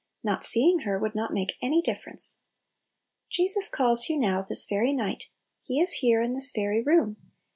Not seeing her would not make any difference. Jesus calls you now, this very night. He is here, in this very room.